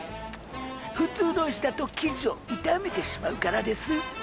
普通の石だと生地を傷めてしまうからです。